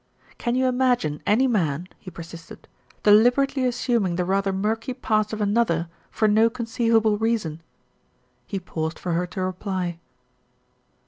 "Can you imagine any man," he persisted, "deliber ately assuming the rather murky past of another for no conceivable reason?" He paused for her to reply.